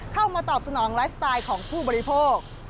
เข้ามาตอบสนองไลฟ์สไตล์ของผู้บริโภค